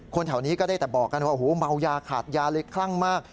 แถวนี้ก็ได้แต่บอกกันว่าโอ้โหเมายาขาดยาเลยคลั่งมาก